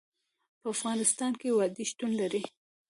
په افغانستان کې وادي شتون لري.